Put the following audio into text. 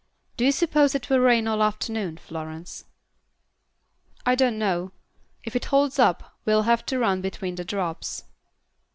Do you suppose it will rain all afternoon, Florence?" "I don't know. If it holds up we'll have to run between the drops."